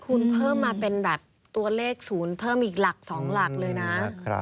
คุณเพิ่มมาเป็นแบบตัวเลข๐เพิ่มอีกหลัก๒หลักเลยนะ